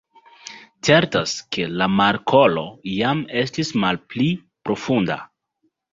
Certas, ke la markolo iam estis malpli profunda.